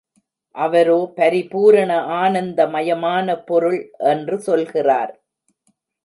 அவரோ பரிபூரண ஆனந்த மயமான பொருள் என்று சொல்கிறார்.